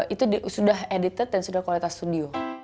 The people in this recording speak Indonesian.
itu sudah edited dan sudah kualitas studio